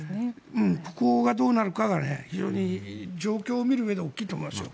ここがどうなるかが非常に状況を見るうえで大きいと思いますよ。